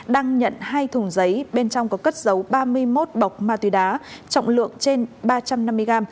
đang nhận hai thùng giấy bên trong có cất dấu ba mươi một bọc ma túy đá trọng lượng trên ba trăm năm mươi gram